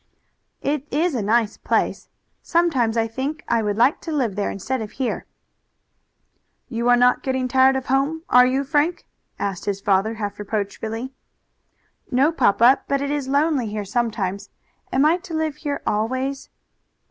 "It is a nice place. Sometimes I think I would like to live there instead of here." "You are not getting tired of home, are you, Frank?" asked his father half reproachfully. "No, papa, but it is lonely here sometimes. Am I to live here always?"